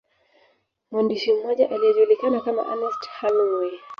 Mwandishi mmoja aliyejulikana kama Ernest Hemingway